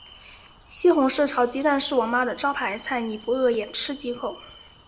西红柿炒鸡蛋是我妈的招牌菜，你不饿也吃几口。